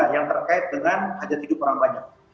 yang terkait dengan hajat hidup orang banyak